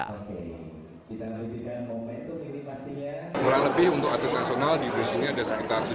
kurang lebih untuk atlet nasional di bus ini ada sekitar tujuh puluh atlet